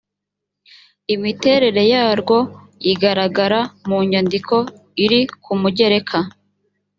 imiterere yarwo igaragara mu nyandiko iri ku mugereka